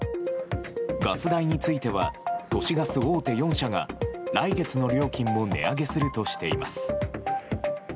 ガス代については都市ガス大手４社が来月の料金も値上げするとしています。